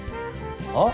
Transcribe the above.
あっ。